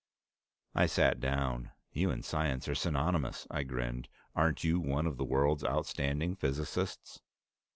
I sat down. "You and science are synonymous," I grinned. "Aren't you one of the world's outstanding physicists?"